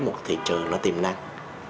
một thị trường nó tiềm năng